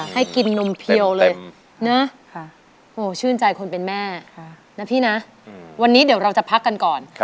ให้กินนมเพียวเลยนะโอ้ชื่นใจคนเป็นแม่นะพี่นะวันนี้เดี๋ยวเราจะพักกันก่อน